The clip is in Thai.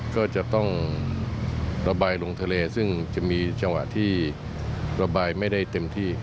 ก็จะต้องระบายลงทะเลซึ่งจะมีจังหวะที่ระบายไม่ได้เต็มที่